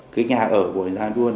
cái nhà ở của giàng a đua